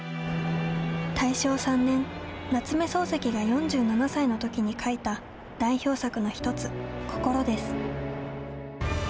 大正３年夏目漱石が４７歳のときに書いた代表作の１つ「こころ」です。